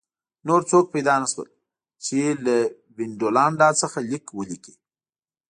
نور څوک پیدا نه شول چې له وینډولانډا څخه لیک ولیکي